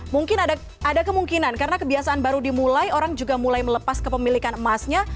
mungkin ada kemungkinan karena kebiasaan baru dimulai orang juga mulai melepas kepemilikan emasnya